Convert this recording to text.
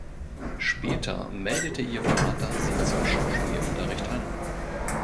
Später meldete ihr Vater sie zum Schauspielunterricht an.